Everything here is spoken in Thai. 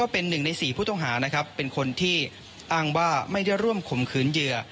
เป็นหนึ่งใน๔ผู้ต้องหานะครับเป็นคนที่อ้างว่าไม่ได้ร่วมข่มขืนเหยื่อ